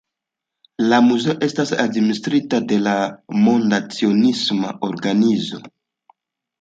La muzeo estas administrita de la Monda Cionisma Organizo.